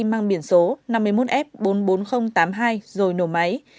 mang biển số năm mươi một f bốn mươi bốn nghìn tám mươi hai rồi nổ máy